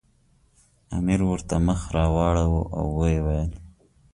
امیر ورته مخ راواړاوه او ویې ویل.